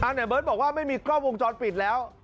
อันนี้เบิ๊ธบอกว่าไม่มีก้องจรปิดแล้ว